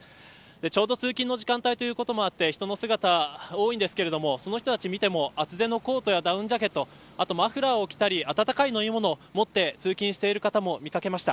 ちょうど通勤の時間帯ということもあって人の姿、多いんですけどその人たちを見ても厚手のコートやダウンジャケットマフラーをしたり、温かい飲み物を持って通勤している方も見掛けました。